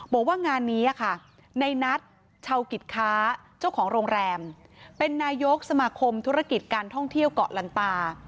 บอกว่างานนี้ค่ะในนัทชาวกิจค้าเจ้าของโรงแรมเป็นนายกสมาคมธุรกิจการท่องเที่ยวเกาะลันตา